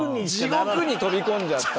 地獄に飛び込んじゃったから。